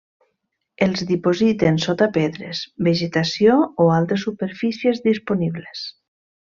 Els dipositen sota pedres, vegetació o altres superfícies disponibles.